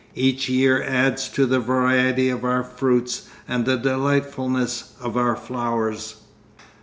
Each year adds to the variety of our fruits and the delightfulness of our flowers.